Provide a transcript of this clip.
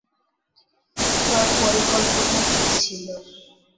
তর পরিকল্পনা কি ছিল?